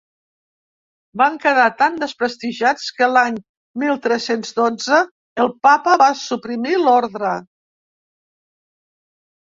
Van quedar tan desprestigiats que, l’any mil tres-cents dotze, el papa va suprimir l’orde.